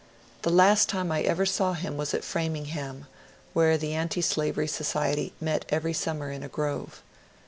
The last time I ever saw him was at Framingham, where the Antislavery Society met every summer in a grove.